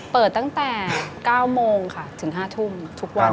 เปิดตั้งแต่๙โมงค่ะถึง๕ทุ่มทุกวัน